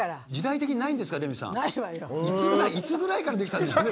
いつぐらいからできたんでしょうね